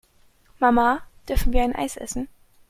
Mama, dürfen wir ein Eis essen?